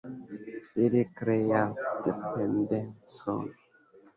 Ili kreas dependecon.